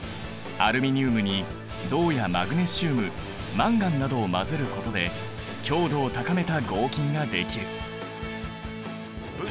アルミニウムに銅やマグネシウムマンガンなどを混ぜることで強度を高めた合金ができる。